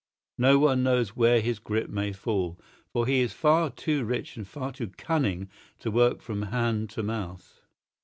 No one knows where his grip may fall, for he is far too rich and far too cunning to work from hand to mouth.